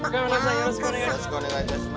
よろしくお願いします。